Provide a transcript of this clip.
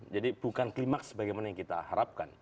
jadi bukan klimaks sebagaimana yang kita harapkan